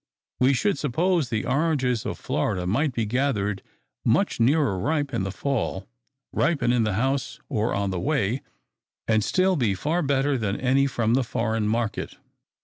We should suppose the oranges of Florida might be gathered much nearer ripe in the fall, ripen in the house or on the way, and still be far better than any from the foreign market.